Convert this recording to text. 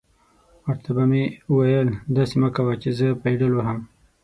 ور ته به مې ویل: داسې مه کوه چې زه پایډل وهم.